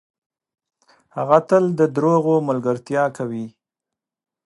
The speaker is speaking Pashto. هغه تل ده دروغو ملګرتیا کوي .